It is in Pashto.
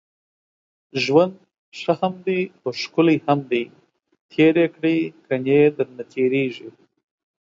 ژوند ښه هم دی اوښکلی هم دی تېر يې کړئ، کني درنه تېريږي